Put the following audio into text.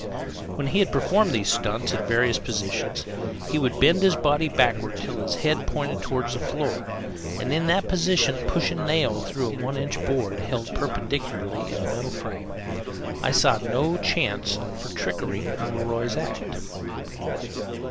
When he had performed these stunts in various positions, he would bend his body backward till his head pointed toward the floor, and in that position push a nail through a one inch board held perpendicularly in a metal frame. I saw no chance for trickery in Le Roy's act.